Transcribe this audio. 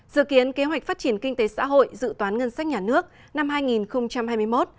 dự kiến kế hoạch phát triển kinh tế xã hội dự toán ngân sách nhà nước năm hai nghìn hai mươi một